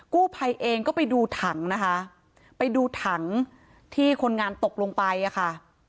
กู้ภัยเองก็ไปดูถังนะคะไปดูถังที่คนงานตกลงไปอ่ะค่ะ